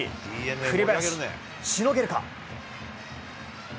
栗林、しのげるか。